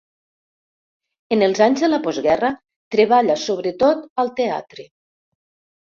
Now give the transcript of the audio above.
En els anys de la postguerra, treballa sobretot al teatre.